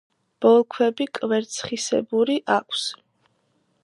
ბოლქვები კვერცხისებური აქვს.